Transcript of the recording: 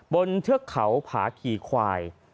เทือกเขาผาขี่ควาย